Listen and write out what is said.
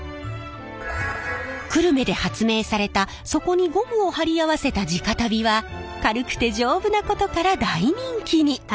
久留米で発明された底にゴムを貼り合わせた地下足袋は軽くて丈夫なことから大人気に。